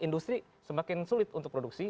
industri semakin sulit untuk produksi